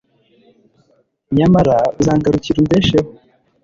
nyamara uzangarukira umbesheho